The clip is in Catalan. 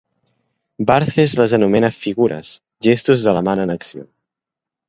Barthes les anomena "figures": gestos de l'amant en acció.